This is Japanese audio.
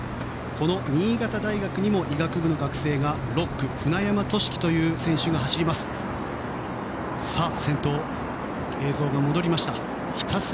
この新潟大学にも医学部の学生６区で舟山俊希という選手が走ります。